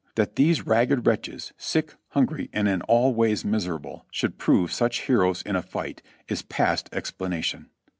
That these ragged wretches, sick, hungry and in all ways miserable, should prove such heroes in a fight, is past explanation.'